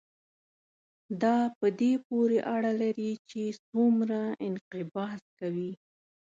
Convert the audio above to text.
دا په دې پورې اړه لري چې څومره انقباض کوي.